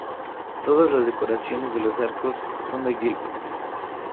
Todas las decoraciones de los arcos son de Gilbert.